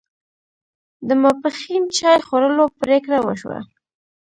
د ماپښین چای خوړلو پرېکړه وشوه.